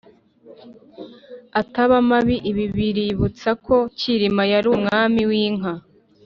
ataba mabi ibi biributsa ko cyilima yari umwami w’inka